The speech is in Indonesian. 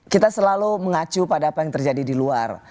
kita selalu mengacu pada apa yang terjadi di luar